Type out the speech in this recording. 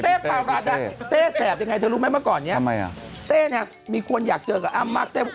เต้พาราดาเต้แสบยังไงเธอรู้ไหมเมื่อก่อนเนี้ยต้นเต้เนี้ยมีคนอยากเจอกับอ้ำมากเต้